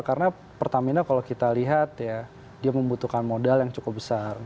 karena pertamina kalau kita lihat ya dia membutuhkan modal yang cukup besar